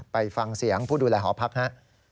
ไปฟังเสียงผู้ดูแลหอพักฮะ